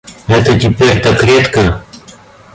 Это теперь так редко.